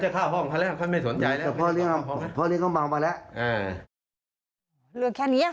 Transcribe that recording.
เขาจะเข้าห้องเขาแล้ว